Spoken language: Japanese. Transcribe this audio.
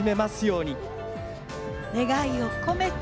願いを込めて。